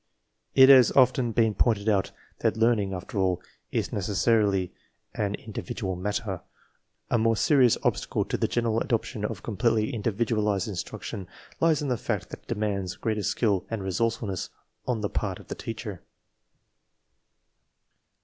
It has often been pointed out that learning, after all, is necessarily an in dividual matter. A more serious obstacle to the general adoption of completely individualized instruction lies in the fact that it demands greater skill and resourceful ness on the part of the teacher.